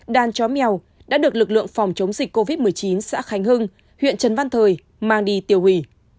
đàn chó mèo đã được lực lượng phòng chống dịch covid một mươi chín xã khánh hưng huyện trần văn thời mang đi tiêu hủy